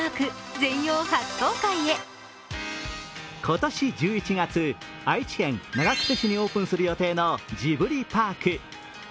今年１１月、愛知県長久手市にオープンする予定のジブリパーク。